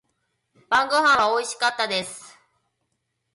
晩御飯は美味しかったです。